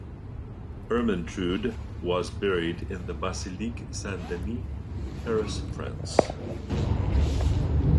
Ermentrude was buried in the Basilique Saint-Denis, Paris, France.